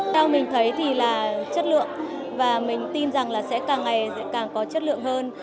theo mình thấy thì là chất lượng và mình tin rằng là sẽ càng ngày càng có chất lượng hơn